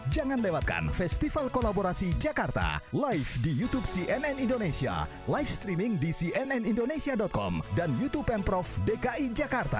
jangan lewatkan festival kolaborasi jakarta live di youtube cnn indonesia live streaming di cnnindonesia com dan youtube pemprov dki jakarta